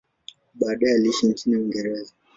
Baadaye aliishi nchini Uingereza.